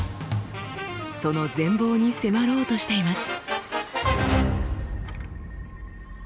その全貌に迫ろうとしています。